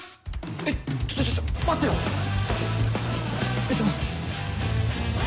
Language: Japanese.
えっちょちょちょ待ってよ失礼します